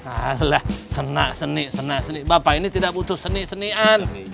alah senak senik senak senik bapak ini tidak butuh seni senian